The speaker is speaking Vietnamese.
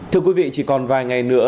thưa quý vị chỉ còn vài ngày nữa